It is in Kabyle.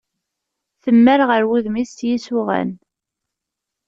Temmar ɣer wudem-is s yisuɣan.